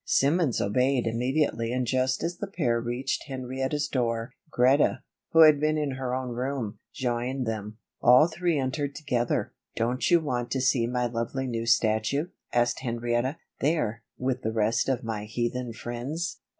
Simmons obeyed immediately and just as the pair reached Henrietta's door, Greta, who had been in her own room, joined them. All three entered together. "Don't you want to see my lovely new statue?" asked Henrietta. "There, with the rest of my heathen friends."